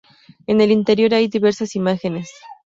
En el interior hay diversas imágenes.